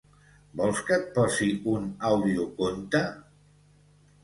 Vols que et posi un audioconte?